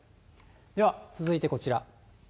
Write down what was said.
では、続いてこちら。